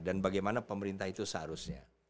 dan bagaimana pemerintah itu seharusnya